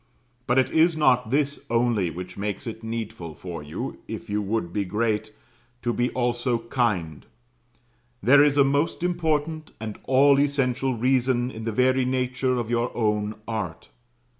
But it is not this only which makes it needful for you, if you would be great, to be also kind; there is a most important and all essential reason in the very nature of your own art.